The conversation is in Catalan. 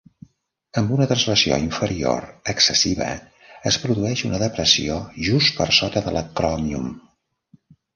Amb una translació inferior excessiva, es produeix una depressió just per sota de l'acròmion.